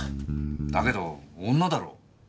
だけど女だろう。